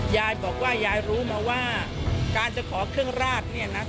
ยายบอกว่ายายรู้มาว่าการจะขอเครื่องราดเนี่ยนะ